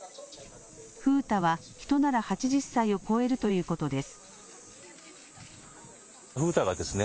風太は人なら８０歳を越えるということです。